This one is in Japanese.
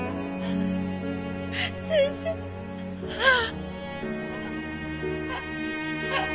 先生ああ。